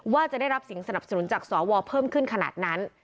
ว่าจะได้รับเสียงสนับสนุนจากสวเพิ่มขึ้นขนาดนั้น